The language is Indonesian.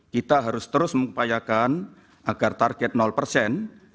kita harus terus mengupayakan agar target persen